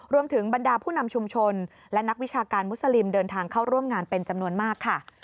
บรรดาผู้นำชุมชนและนักวิชาการมุสลิมเดินทางเข้าร่วมงานเป็นจำนวนมากค่ะ